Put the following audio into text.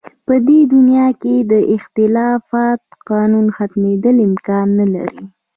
په دې دنیا کې د اختلافاتو ختمېدل امکان نه لري.